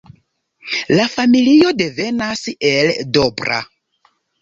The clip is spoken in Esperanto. La familio devenas el Dobra.